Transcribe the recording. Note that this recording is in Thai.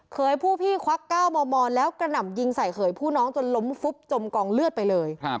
ผู้พี่ควัก๙มมแล้วกระหน่ำยิงใส่เขยผู้น้องจนล้มฟุบจมกองเลือดไปเลย